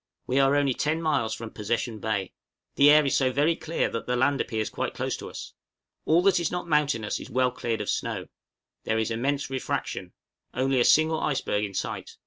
We are only ten miles from Possession Bay. The air is so very clear that the land appears quite close to us. All that is not mountainous is well cleared of snow. There is immense refraction. Only a single iceberg in sight.